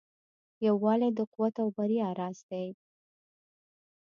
یووالی د قوت او بریا راز دی.